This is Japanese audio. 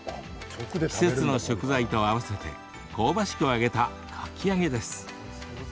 季節の食材と合わせて香ばしく揚げた、かき揚げです。